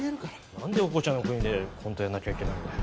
なんでオコチャの国でコントやらなきゃいけないんだよ。